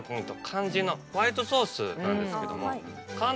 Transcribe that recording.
肝心のホワイトソースなんですけども。